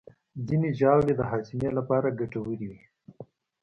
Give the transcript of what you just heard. ځینې ژاولې د هاضمې لپاره ګټورې وي.